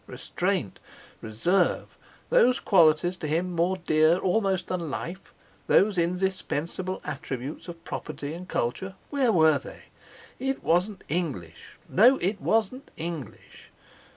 Restraint, reserve! Those qualities to him more dear almost than life, those indispensable attributes of property and culture, where were they? It wasn't English! No, it wasn't English!